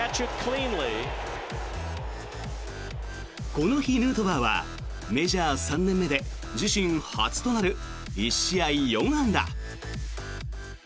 この日、ヌートバーはメジャー３年目で自身初となる１試合４安打。